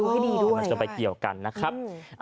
ให้ดีด้วยมันจะไปเกี่ยวกันนะครับ